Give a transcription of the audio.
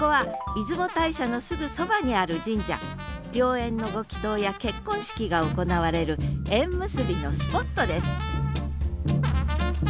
良縁のご祈とうや結婚式が行われる縁結びのスポットです